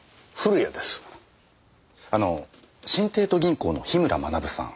あの新帝都銀行の樋村学さん